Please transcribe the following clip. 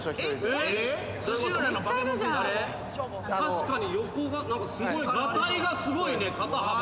確かに横ががたいがすごいね肩幅が。